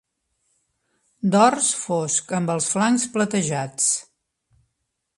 Dors fosc amb els flancs platejats.